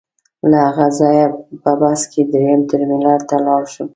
له هغه ځایه په بس کې درېیم ټرمینل ته لاړ شم.